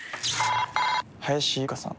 林佑香さん。